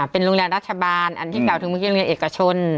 เป็นโรงเรียนรัฐบาลอันที่กล่าวถึงเมื่อกี้โรงเรียนเอกชน